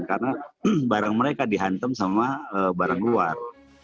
karena barang mereka dihantam sama barang luar